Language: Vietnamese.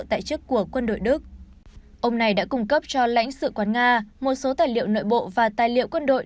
tại chức của quân đội đức ông này đã cung cấp cho lãnh sự quán nga một số tài liệu nội bộ và tài liệu quân đội